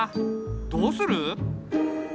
どうする？